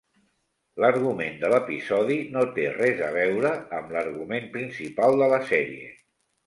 L'argument de l'episodi no té res a veure amb l'argument principal de la sèrie.